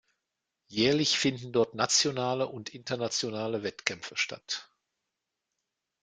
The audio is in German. Jährlich finden dort nationale und internationale Wettkämpfe statt.